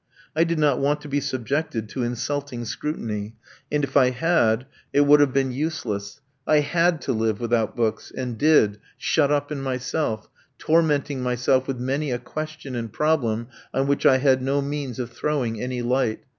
I did not want to be subjected to insulting scrutiny, and, if I had, it would have been useless. I had to live without books, and did, shut up in myself, tormenting myself with many a question and problem on which I had no means of throwing any light.